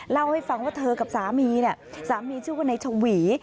เล่าให้ฟังว่าเธอกับสามีเนี่ยสามีชื่อว่านายชวี